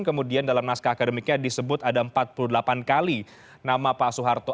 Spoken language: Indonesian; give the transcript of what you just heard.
kemudian dalam naskah akademiknya disebut ada empat puluh delapan kali nama pak soeharto